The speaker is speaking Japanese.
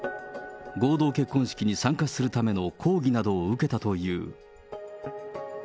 合同結婚式に参加するための講義などを受けたという。